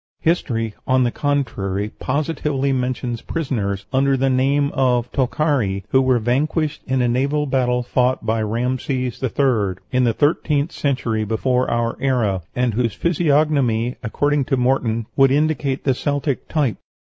History, on the contrary, positively mentions prisoners, under the name of Tokhari, who were vanquished in a naval battle fought by Rhamses III. in the thirteenth century before our era, and whose physiognomy, according to Morton, would indicate the Celtic type.